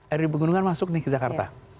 air penggunungan masuk ke jakarta